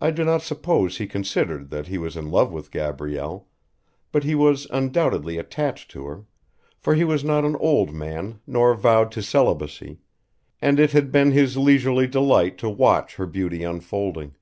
I do not suppose he considered that he was in love with Gabrielle, but he was undoubtedly attached to her, for he was not an old man nor vowed to celibacy, and it had been his leisurely delight to watch her beauty unfolding.